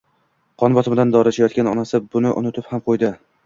qon bosimidan dori ichayotgan onasi buni unutib ham bo‘ldi.